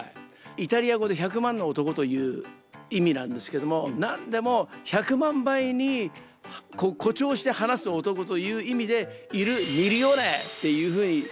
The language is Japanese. イタリア語で１００万の男という意味なんですけどもなんでも１００万倍に誇張して話す男という意味で「イル・ミリオーネ！！」っていうふうに呼ばれてましたね。